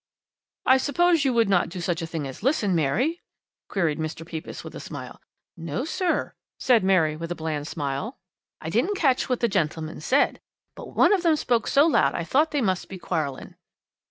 "'I suppose you would not do such a thing as to listen, Mary?' queried Mr. Pepys with a smile. "'No, sir,' said Mary with a bland smile, 'I didn't catch what the gentlemen said, but one of them spoke so loud I thought they must be quarrelling.'